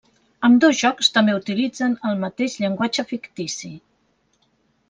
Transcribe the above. Ambdós jocs també utilitzen el mateix llenguatge fictici.